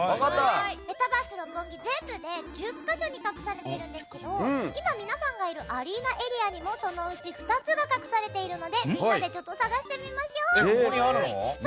メタバース六本木、全部で１０か所に隠されているんですが今、皆さんがいるアリーナエリアにもそのうち２つが隠されているのでみんなで探してみましょう。